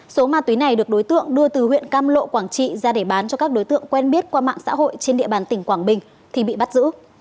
số ma túy này được đối tượng đưa từ huyện cam lộ quảng trị ra để bán cho các đối tượng quen biết qua mạng xã hội trên địa bàn tỉnh quảng bình thì bị bắt giữ